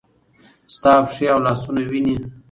ستا پښې او لاسونه وینې ؟